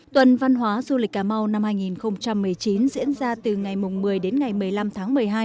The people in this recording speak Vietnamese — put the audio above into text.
tuần văn hóa du lịch cà mau năm hai nghìn một mươi chín diễn ra từ ngày một mươi đến ngày một mươi năm tháng một mươi hai